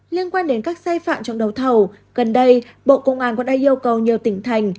liên quan đến các sai phạm trong đấu thầu gần đây bộ công an cũng đã yêu cầu nhiều tỉnh thành